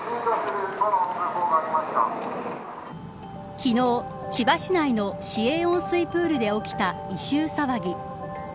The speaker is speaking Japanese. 昨日、千葉市内の市営温水プールで起きた異臭騒ぎ。